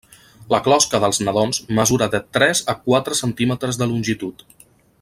La closca dels nadons mesura de tres a quatre centímetres de longitud.